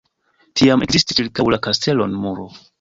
Tiam ekzistis ĉirkaŭ la kastelon muro.